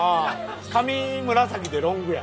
髪紫でロングや。